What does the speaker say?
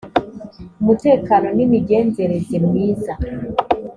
umutekano n imigenzereze myiza